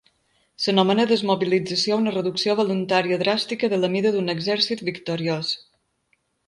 S'anomena desmobilització a una reducció voluntària dràstica de la mida d'un exèrcit victoriós.